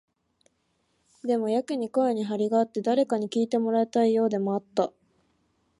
でも、やけに声に張りがあって、誰かに聞いてもらいたいようでもあった。